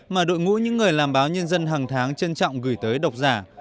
mà đội ngũ những người làm báo nhân dân hàng tháng trân trọng gửi tới độc giả